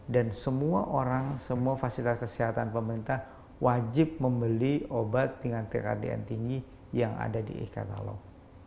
dan semua orang semua fasilitas kesehatan pemerintah wajib membeli obat dengan tkdn tinggi yang ada di e katalog